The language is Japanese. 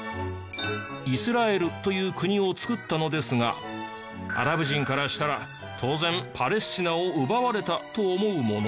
イスラエルという国をつくったのですがアラブ人からしたら当然パレスチナを奪われたと思うもの。